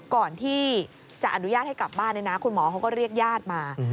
ก่อนที่จะอนุญาตให้กลับบ้านคุณหมอเรียกญาติมา